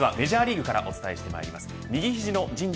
まずはメジャーリーグからお伝えします。